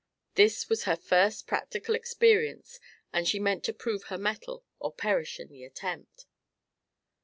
This was her first practical experience and she meant to prove her mettle or perish in the attempt.